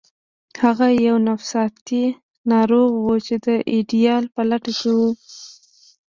هغه یو نفسیاتي ناروغ و چې د ایډیال په لټه کې و